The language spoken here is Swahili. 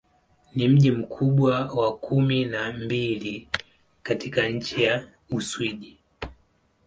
Ni mji mkubwa wa kumi na mbili katika nchi wa Uswidi.